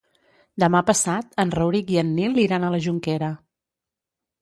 Demà passat en Rauric i en Nil iran a la Jonquera.